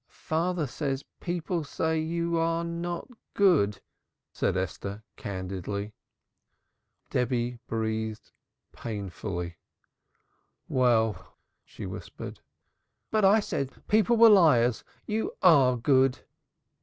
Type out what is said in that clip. "Father says people say you are not good," said Esther candidly. Debby breathed painfully. "Well!" she whispered. "But I said people were liars. You are good!"